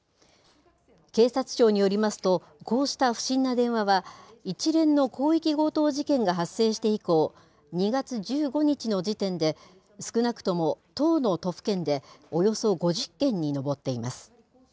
警察庁によりますと、こうした不審な電話は、一連の広域強盗事件が発生して以降、２月１５日の時点で、少なくとも１０の都府県でおよそ５０件に上っています。